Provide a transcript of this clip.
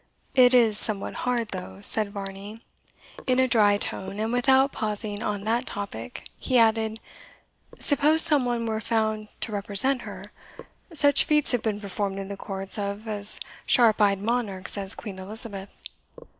"It is somewhat hard, though," said Varney, in a dry tone; and, without pausing on that topic, he added, "Suppose some one were found to represent her? Such feats have been performed in the courts of as sharp eyed monarchs as Queen Elizabeth."